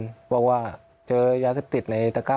พี่พร้อมทิพย์คิดว่าคุณพิชิตคิดว่าคุณพิชิตคิด